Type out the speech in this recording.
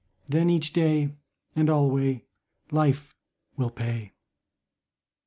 Then each day, And alway, Life will pay.